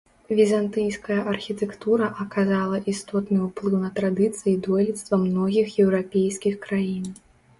Візантыйская архітэктура аказала істотны ўплыў на традыцыі дойлідства многіх еўрапейскіх краін.